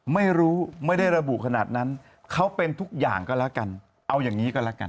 ไม่รู้ไม่ได้ระบุขนาดนั้นเขาเป็นทุกอย่างก็แล้วกันเอาอย่างนี้ก็แล้วกัน